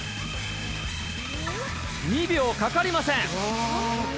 ２秒かかりません。